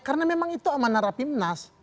karena memang itu amanah rapimnas